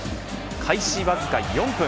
開始わずか４分。